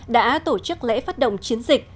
đã tổ chức lễ phát động chiến dịch